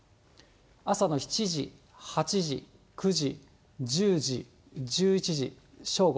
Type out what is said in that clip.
朝の７時、８時、９時、１０時、１１時、正午。